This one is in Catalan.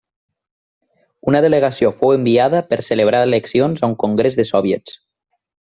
Una delegació fou enviada per celebrar eleccions a un congrés de Soviets.